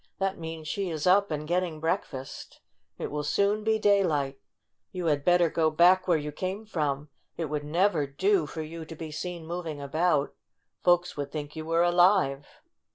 "That means she is up and getting breakfast. It will soon be day light. You had better go back where you came from. It would never do for you to be seen moving about. Folks would think you were alive."